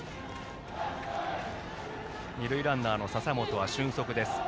二塁ランナーの笹本は俊足です。